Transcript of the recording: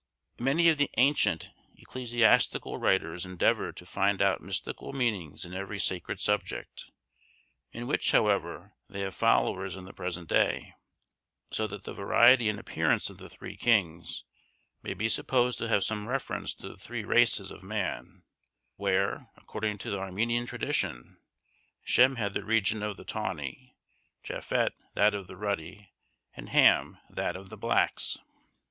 Many of the ancient ecclesiastical writers endeavoured to find out mystical meanings in every sacred subject, in which, however, they have followers in the present day; so that the variety in appearance of the Three Kings may be supposed to have some reference to the three races of man, where, according to the Armenian tradition, Shem had the region of the tawny, Japhet that of the ruddy, and Ham that of the blacks.